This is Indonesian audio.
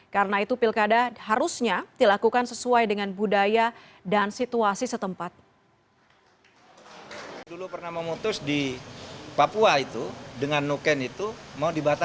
karena itu pilkada harusnya dilakukan sesuai dengan budaya dan situasi setempat